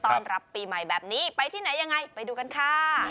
รับปีใหม่แบบนี้ไปที่ไหนยังไงไปดูกันค่ะ